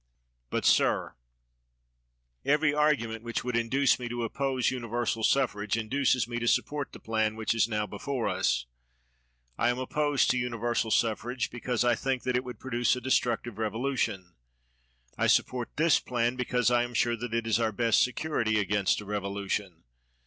But, sir, every argument which would induce me to oppose universal suffrage induces me to support the plan which is now before us. I am opposed to universal suffrage, because I think that it would produce a destructive revolution. I support this plan, because I am sure that it is our best security against a revolution.